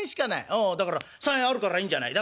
「おうだから３円あるからいいんじゃない。